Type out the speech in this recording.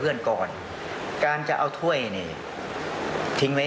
มันมีโอกาสเกิดอุบัติเหตุได้นะครับ